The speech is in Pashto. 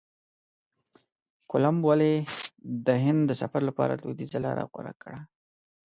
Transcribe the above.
کولمب ولي د هند د سفر لپاره لویدیځه لاره غوره کړه؟